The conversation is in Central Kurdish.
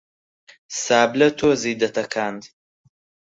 سابلە تۆزی دەتەکاند